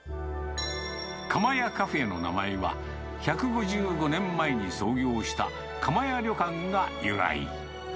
かまやカフェの名前は、１５５年前に創業した、釜屋旅館が由来。